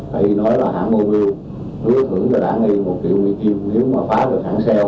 hãy nói là hãng mô nguyên hứa thưởng cho đảng y một triệu mỹ kim nếu mà phá được hãng xeo